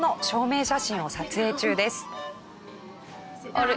あれ？